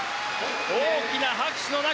大きな拍手の中